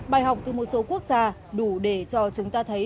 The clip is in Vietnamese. bài học từ một số quốc gia đủ để cho chúng ta thấy